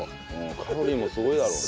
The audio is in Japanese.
カロリーもすごいだろうね。